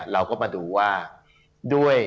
เราก็มาดูว่าด้วย